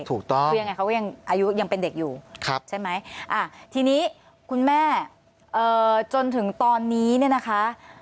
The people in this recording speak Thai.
ถูกต้องคือยังไงเขาก็ยังอายุยังเป็นเด็กอยู่ใช่ไหมทีนี้คุณแม่จนถึงตอนนี้เนี่ยนะคะ